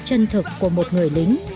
chân thực của một người lính